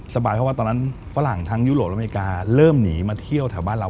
สบายเพราะว่าตอนนั้นฝรั่งทั้งยุโรปและอเมริกาเริ่มหนีมาเที่ยวแถวบ้านเรา